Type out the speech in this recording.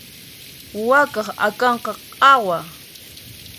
Wakaq akanqa q'awa.